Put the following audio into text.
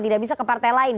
tidak bisa ke partai lain